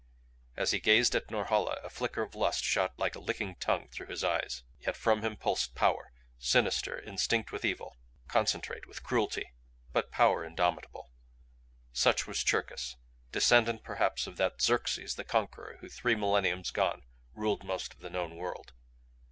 As he gazed at Norhala a flicker of lust shot like a licking tongue through his eyes. Yet from him pulsed power; sinister, instinct with evil, concentrate with cruelty but power indomitable. Such was Cherkis, descendant perhaps of that Xerxes the Conqueror who three millenniums gone ruled most of the known world.